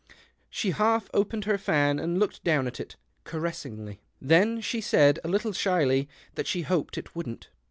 She half opened her fan, and looked down at it caressingly. Then she said, a little shyly, that she hoped it wouldn't.